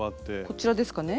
こちらですかね？